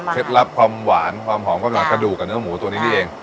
ลับความหวานความหอมของกระดูกกับเนื้อหมูตัวนี้นี่เอง